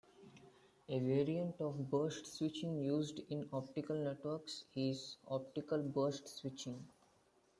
A variant of burst switching used in optical networks is optical burst switching.